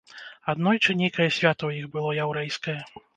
Аднойчы нейкае свята ў іх было яўрэйскае.